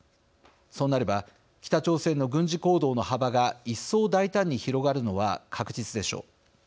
そうなれば北朝鮮の軍事行動の幅が一層、大胆に広がるのは確実でしょう。